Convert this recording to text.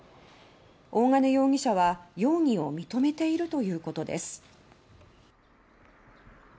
大金容疑者は、容疑を認めているということです。